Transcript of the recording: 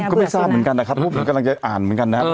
ก็ไม่ทราบเหมือนกันนะครับเพราะผมกำลังจะอ่านเหมือนกันนะครับ